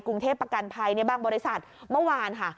กรุงเทพประกันภัยเนี่ยบางบริษัทเมื่อวานค่ะ